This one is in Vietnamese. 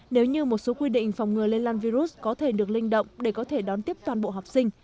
nếu như một số quy định phòng ngừa lây lan virus có thể được linh động để có thể đón tiếp toàn bộ học sinh